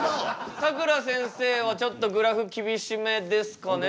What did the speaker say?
さくらせんせいはちょっとグラフ厳しめですかね？